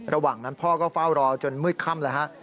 ระหว่างนั้นพ่อก็เฝ้ารอจนมืดค่ำแล้วฮะ